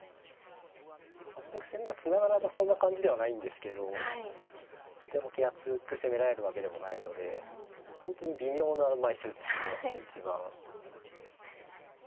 全く攻めがつながらなそうな感じではないんですけどとても手厚く攻められるわけでもないので本当に微妙な枚数ですね一番。